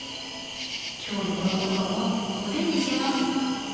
今日のばんごはんはおでんにします。